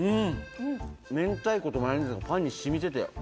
明太子とマヨネーズがパンに染みてて。